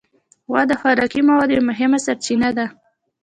غوا د خوراکي موادو یو مهمه سرچینه ده.